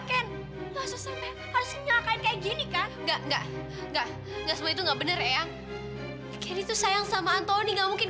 kenapa sih kamu jadi khawatiran banget